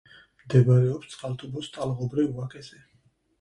მდებარეობს წყალტუბოს ტალღობრივ ვაკეზე.